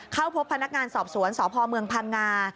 เข้าพบพนักงานสอบสวนสพเมืองพังงา